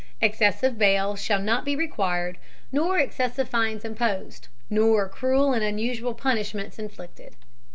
Excessive bail shall not be required, nor excessive fines imposed, nor cruel and unusual punishments inflicted.